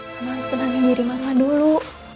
kamu harus tenangin diri mama dulu